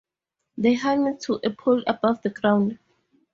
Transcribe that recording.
They hung it to a pole above the ground.